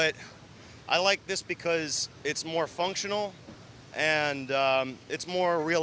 tapi saya suka ini karena ini lebih fungsi dan lebih nyaman